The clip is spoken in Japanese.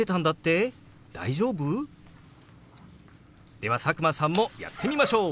では佐久間さんもやってみましょう！